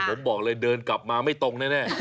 ผมบอกเลยเดินกลับมาไม่ตรงแน่